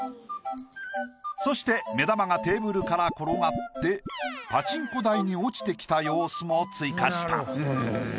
そして目玉がテーブルから転がってパチンコ台に落ちてきた様子も追加した。